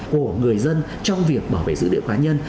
của người dân trong việc bảo vệ dữ liệu cá nhân